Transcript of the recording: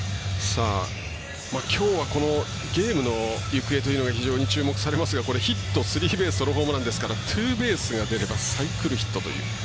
きょうはゲームの行方というのが非常に注目されますがヒット、スリーベースホームランですからツーベースが出ればサイクルヒットという。